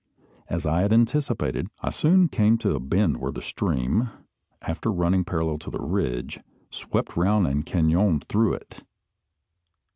As I had anticipated, I soon came to a bend where the stream, after running parallel to the ridge, swept round and canoned through it.